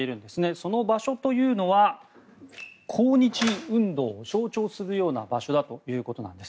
その場所というのは抗日運動を象徴するような場所だということなんです。